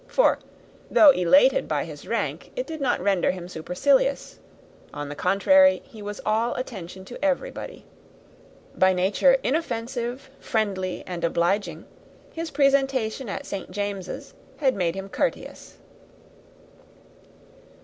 For, though elated by his rank, it did not render him supercilious; on the contrary, he was all attention to everybody. By nature inoffensive, friendly, and obliging, his presentation at St. James's had made him courteous.